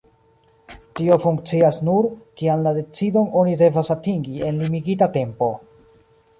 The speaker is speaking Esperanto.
Tio funkcias nur, kiam la decidon oni devas atingi en limigita tempo.